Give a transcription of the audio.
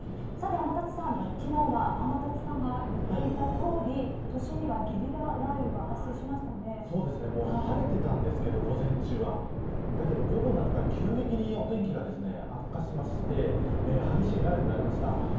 天達さん、昨日は天達さんが言っていたとおり都心では午前中は晴れていたんですけど午後になってから急激にお天気が悪化しまして激しい雷雨になりました。